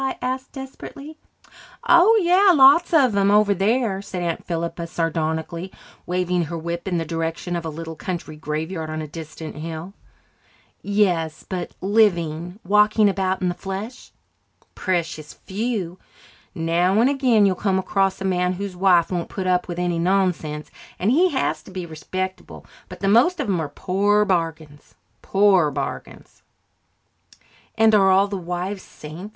I asked desperately. "Oh, yes, lots of 'em over there," said Aunt Philippa sardonically, waving her whip in the direction of a little country graveyard on a distant hill. "Yes, but living walking about in the flesh?" "Precious few. Now and again you'll come across a man whose wife won't put up with any nonsense and he has to be respectable. But the most of 'em are poor bargains poor bargains." "And are all the wives saints?"